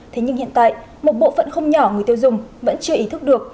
thế nhưng hiện tại một bộ phận không nhỏ người tiêu dùng vẫn chưa ý thức được